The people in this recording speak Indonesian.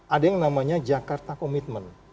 ada yang namanya jakarta commitment